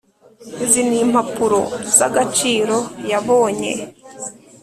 izi ni impapuro z'agaciro yabonye